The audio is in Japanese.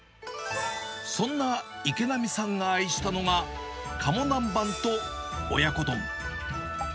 そんな池波さんが愛したのが、鴨南ばんと親子丼。